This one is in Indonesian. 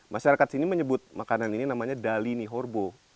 masyarakat sini menyebut makanan ini namanya dalini horbo